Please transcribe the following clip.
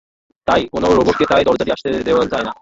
তাই, কোনো রোবটকে ওই দরজা দিয়ে আসতে দেওয়া যাবে না।